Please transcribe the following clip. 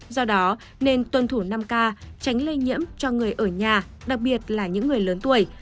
do đó nên tuân thủ năm k tránh lây nhiễm cho người ở nhà đặc biệt là những người lớn tuổi